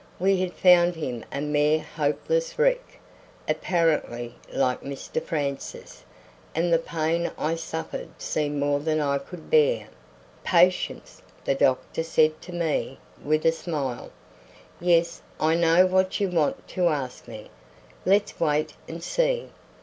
We had found him a mere hopeless wreck, apparently, like Mr Francis, and the pain I suffered seemed more than I could bear. "Patience!" the doctor said to me, with a smile. "Yes, I know what you want to ask me. Let's wait and see.